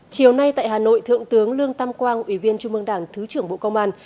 chiều nay tại hà nội thượng tướng lương tam quang ủy viên trung mương đảng thứ trưởng bộ công an